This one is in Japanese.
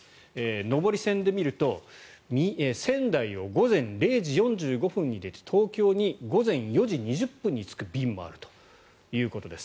上り線で見ると仙台を午前０時４５分に出て東京に午前４時２０分に着く便もあるということです。